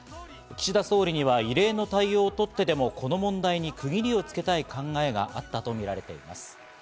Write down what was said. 岸田総理には異例の対応をとってでもこの問題に区切りをつけたい考えがあったとみられています。